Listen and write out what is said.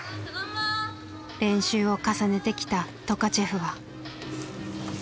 練習を重ねてきたトカチェフは。